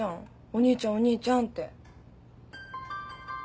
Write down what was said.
お兄ちゃんお兄ちゃんって。